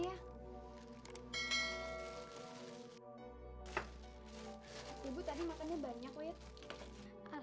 saya permisi dulu